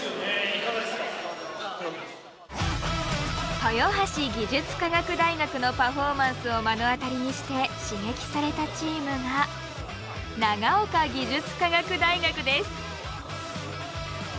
豊橋「技術科学」大学のパフォーマンスを目の当たりにして刺激されたチームが長岡「技術科学」大学です。